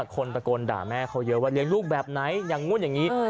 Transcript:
คนตะโกนด่าแม่เขาเยอะว่าเลี้ยงลูกแบบไหนอย่างนู้นอย่างนี้